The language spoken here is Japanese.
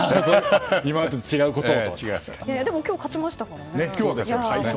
今日、勝ちましたからね。